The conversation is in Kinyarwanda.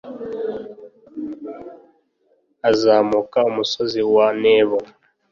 azamuka umusozi wa nebo